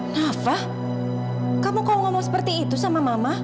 nafa kamu kalau ngomong seperti itu sama mama